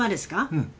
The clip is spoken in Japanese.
うん。